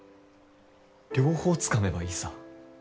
両方つかめばいいさ。